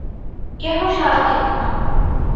কেহ সাড়া দিল না।